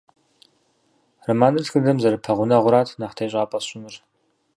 Романыр тхыдэм зэрыпэгъунэгъурат нэхъ тегъэщӏапӏэ сщӏынур.